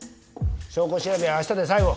証拠調べはあしたで最後。